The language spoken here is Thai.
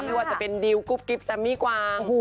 ไม่ว่าจะเป็นดิวกุ๊บกิ๊บแซมมี่กวาง